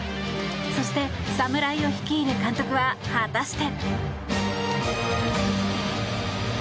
そして侍を率いる監督は果たして。